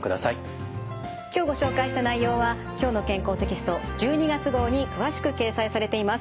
今日ご紹介した内容は「きょうの健康」テキスト１２月号に詳しく掲載されています。